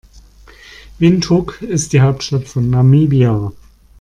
Windhoek ist die Hauptstadt von Namibia.